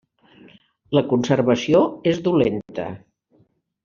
La conservació és dolenta.